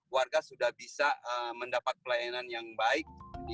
warga sudah bisa mendapat pelayanan yang baik